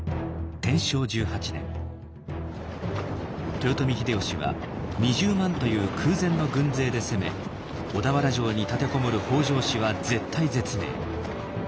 豊臣秀吉は２０万という空前の軍勢で攻め小田原城に立て籠もる北条氏は絶体絶命。